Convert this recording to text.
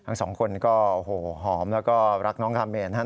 ทั้งสองคนก็หอมแล้วก็รักน้องคาเมนนะครับ